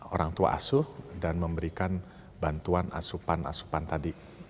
orang tua asuh dan memberikan bantuan asupan asupan tadi